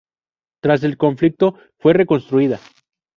Tras el conflicto, fue reconstruida.